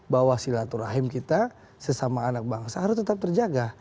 bahwa silaturahim kita sesama anak bangsa harus tetap terjaga